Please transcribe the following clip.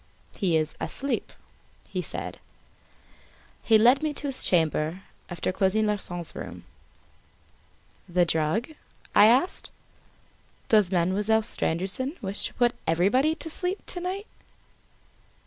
"He is asleep," he said. He led me to his chamber, after closing Larsan's room. "The drug?" I asked. "Does Mademoiselle Stangerson wish to put everybody to sleep, to night?"